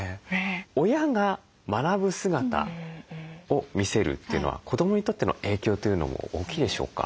親が学ぶ姿を見せるというのは子どもにとっての影響というのも大きいでしょうか？